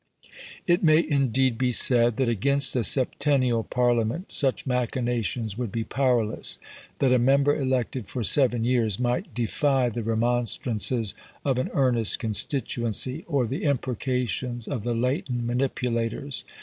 It may indeed be said that against a septennial Parliament such machinations would be powerless; that a member elected for seven years might defy the remonstrances of an earnest constituency, or the imprecations of the latent manipulators.